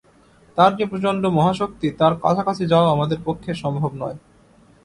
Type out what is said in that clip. তাঁর যে প্রচণ্ড মহাশক্তি, তার কাছাকাছি যাওয়াও আমাদের পক্ষে সম্ভব নয়।